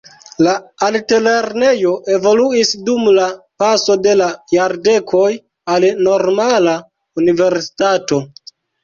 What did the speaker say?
La altlernejo evoluis dum la paso de la jardekoj al normala universitato.